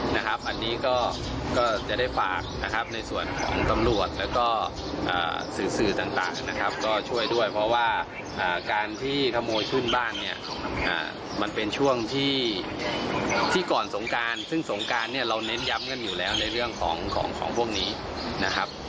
นะครับอันนี้ก็จะได้ฝากนะครับในส่วนของตำรวจแล้วก็สื่อสื่อต่างนะครับก็ช่วยด้วยเพราะว่าการที่ขโมยทุ่นบ้านเนี่ยมันเป็นช่วงที่ก่อนสงการซึ่งสงการเนี่ยเราเน้นย้ำกันอยู่แล้วในเรื่องของของพวกนี้นะครับ